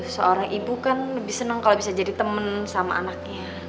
seorang ibu kan lebih senang kalau bisa jadi teman sama anaknya